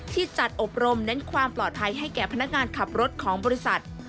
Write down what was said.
ที่จัดอบรมเน้นความปลอดภัยให้แก่พนักงานขับรถของบริษัท